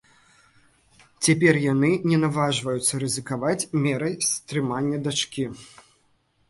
Цяпер яны не наважваюцца рызыкаваць мерай стрымання дачкі.